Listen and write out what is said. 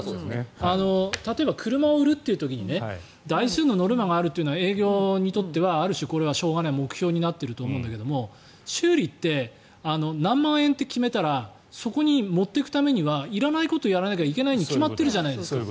例えば車を売る時に台数のノルマがあるのは営業にとってある種しょうがない目標になっていると思うんだけど修理って何万円って決めたらそこに持っていくためにはいらないことをやるに決まってるじゃないですか。